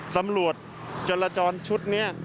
ตำรวจจรจรจรชุดนี้